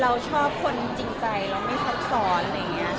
เราชอบคนจริงใจเราไม่ชอบสอนอย่างนี้